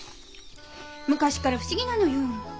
昔から不思議なのよ。